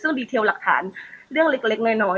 ซึ่งดีเทลหลักฐานเรื่องเล็กน้อย